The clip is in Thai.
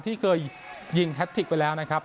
ที่เคยยิงแฮทิกไปแล้วนะครับ